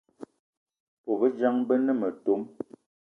Bôbejang be ne metom